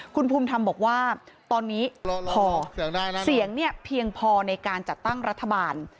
คุณภูมิธรรมบอกว่าตอนนี้พอเสียงเนี่ยเพียงพอในการจัดตั้งรัฐบาล